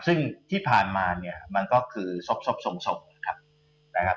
ซึ่งที่ผ่านมาเนี่ยมันก็คือศพทรงนะครับ